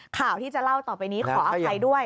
ข่าวที่จะเล่าต่อไปนี้ขออภัยด้วย